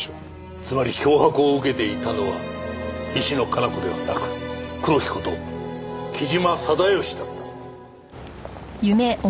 つまり脅迫を受けていたのは石野香奈子ではなく黒木こと木島定良だった。